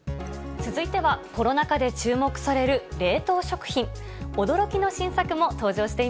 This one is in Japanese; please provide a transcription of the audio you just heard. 続いては、コロナ禍で注目される冷凍食品。